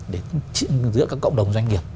để giữa các cộng đồng doanh nghiệp